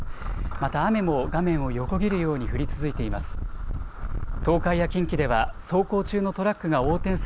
また雨も画面を横切るように降り続いています。